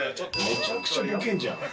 めちゃくちゃボケんじゃん。